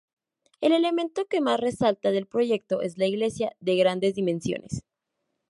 El elemento que más resalta del proyecto es la iglesia, de grandes dimensiones.